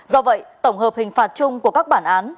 do vậy tổng hợp hình phạt chung của các bản án